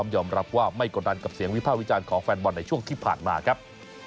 ยอมรับว่าไม่กดดันกับเสียงวิภาควิจารณ์ของแฟนบอลในช่วงที่ผ่านมาครับ